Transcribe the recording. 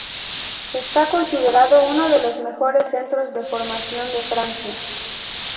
Está considerado uno de los mejores centros de formación de Francia.